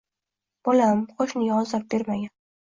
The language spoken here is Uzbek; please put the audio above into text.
Bolam, qoʻshniga ozor bermagin.